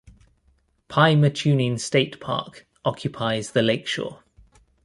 Pymatuning State Park occupies the lakeshore.